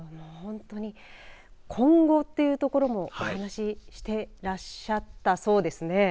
本当に、今後っていうところもお話してらっしゃったそうですね。